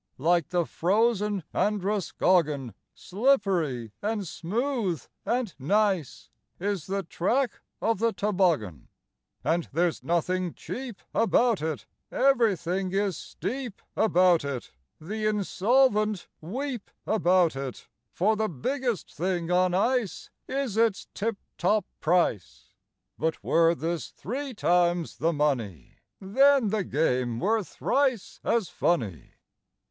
Like the frozen Androscoggin, Slippery, and smooth, and nice, Is the track of the toboggan; And there's nothing cheap about it, Everything is steep about it, The insolvent weep about it, For the biggest thing on ice Is its tip top price; But were this three times the money, Then the game were thrice as funny.